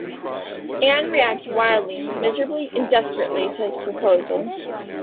Anne reacts "wildly", "miserably" and "desperately" to his proposal.